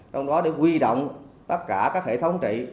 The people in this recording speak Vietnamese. trong đó để quy động tất cả các hệ thống trị